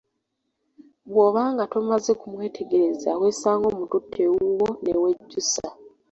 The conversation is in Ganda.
Bw’obaaanga tomaze kumwetegereza weesanga omututte ewuwo newejjusa.